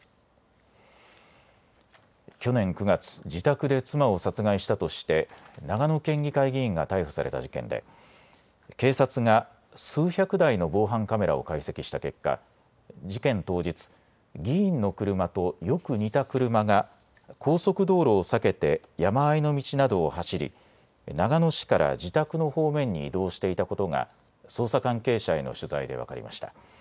去年９月、自宅で妻を殺害したとして長野県議会議員が逮捕された事件で警察が数百台の防犯カメラを解析した結果、事件当日、議員の車とよく似た車が高速道路を避けて山あいの道などを走り長野市から自宅の方面に移動していたことが捜査関係者への取材で分かりました。